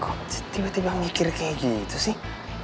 kok tiba tiba mikir kayak gitu sih